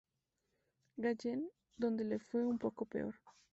Gallen, donde le fue un poco peor.